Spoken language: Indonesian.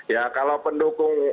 ya kalau pendukung